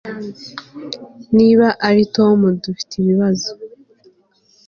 Niba ari Tom dufite ibibazo